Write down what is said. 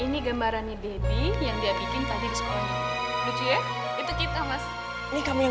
ini gambarannya daddy yang dia bikin tadi di sekolah